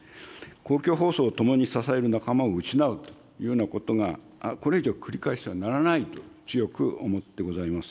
公共放送を共に支える仲間を失うというようなことが、これ以上、繰り返してはならないと強く思ってございます。